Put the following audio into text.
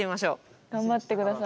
頑張ってください。